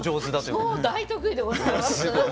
そう大得意でございます。